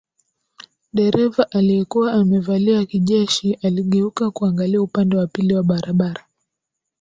Dereva aliyekuwa amevalia kijeshi aligeuka kuangalia upande wa pili wa barabara